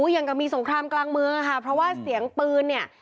อย่างกับมีสงครามกลางเมืองค่ะเพราะว่าเสียงปืนเนี่ย